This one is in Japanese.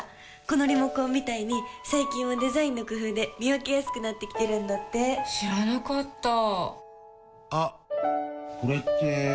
このリモコンみたいに最近はデザインの工夫で見分けやすくなってきてるんだって知らなかったあっ、これって・・・